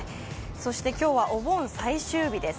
そして今日はお盆最終日です。